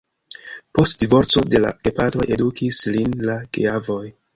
Post divorco de la gepatroj edukis lin la geavoj.